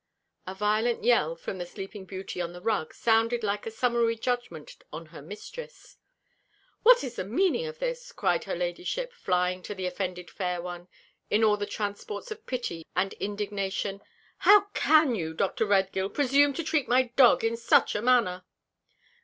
A violent yell from the sleeping Beauty on the rug sounded like a summary judgment on her mistress. "What is the meaning of this?" cried her Ladyship, flying to the offended fair one, in all the transports of pity and indignation; "how can you, Dr. Redgill, presume to treat my dog in such a manner?"